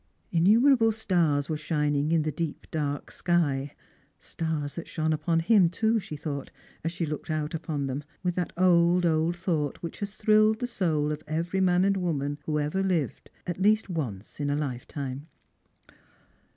Innumerable stars were shining in the deep dark sky ; stars that shone upon him too, she thought, as she looked up at them, with that old, old thought which has thrilled the soul of every man and woman who ever lived, at least once in a lifetime.